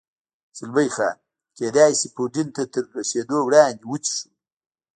زلمی خان: کېدای شي یوډین ته تر رسېدو وړاندې، وڅښو.